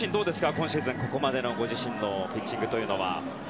今シーズン、ここまでのご自身のピッチングは。